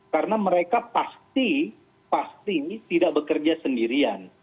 karena mereka pasti pasti tidak bekerja sendirian